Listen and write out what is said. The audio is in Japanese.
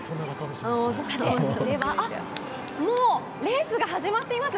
ではあっ、もうレースが始まっています。